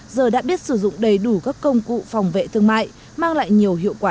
giờ đã biết sử dụng đầy đủ các công cụ phòng vệ thương mại mang lại nhiều hiệu quả